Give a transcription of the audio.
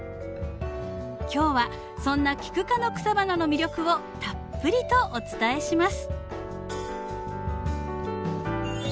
今日はそんなキク科の草花の魅力をたっぷりとお伝えします。